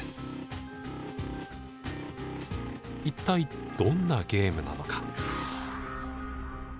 一体どんなゲームなのか？